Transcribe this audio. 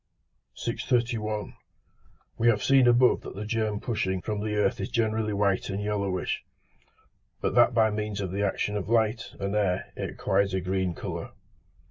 631. We have seen above that the germ pushing from the earth is generally white and yellowish, but that by means of the action of light and air it acquires a green colour.